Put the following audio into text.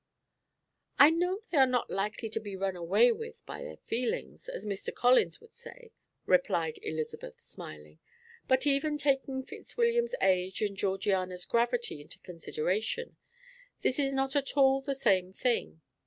"I know they are not likely to be run away with by their feelings, as Mr. Collins would say," replied Elizabeth, smiling; "but even taking Fitzwilliam's age and Georgiana's gravity into consideration, this is not at all the same thing.